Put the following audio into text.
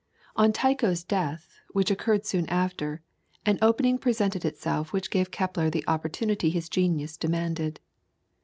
On Tycho's death, which occurred soon after, an opening presented itself which gave Kepler the opportunity his genius demanded.